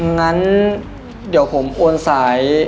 งั้นเดี๋ยวผมโอนสาย